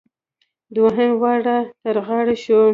دوهم وار را تر غاړې شو.